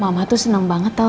mama tuh seneng banget tau